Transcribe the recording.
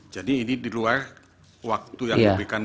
jadi ini di luar waktu yang diberikan kepada